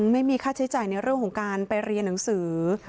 ไม่มีค่าใช้จ่ายในเรื่องของการไปเรียนหนังสือ